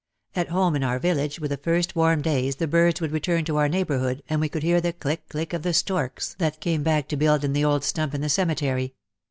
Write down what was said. At home in our village with the first warm days the birds would return to our neighbourhood and we could hear the "click, click" of the storks that came back to build in the old stump in the cemetery.